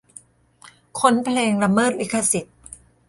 ค้นเพลงละเมิดลิขสิทธิ์